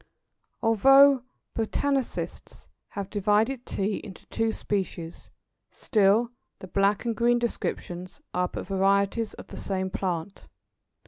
Although botanists have divided Tea into two species, still the black and green descriptions are but varieties of the same plant.